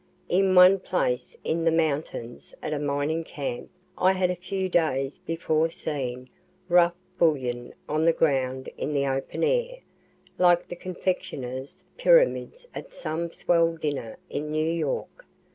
In one place in the mountains, at a mining camp, I had a few days before seen rough bullion on the ground in the open air, like the confectioner's pyramids at some swell dinner in New York.